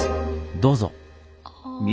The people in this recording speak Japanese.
どうぞ！